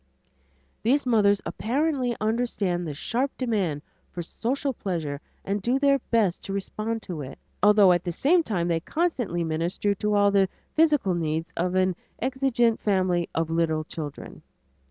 These mothers apparently understand the sharp demand for social pleasure and do their best to respond to it, although at the same time they constantly minister to all the physical needs of an exigent family of little children.